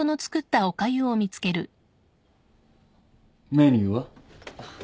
メニューは？